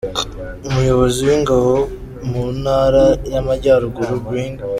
Umuyobozi w’Ingabo mu Ntara y’Amajyaruguru, Brig.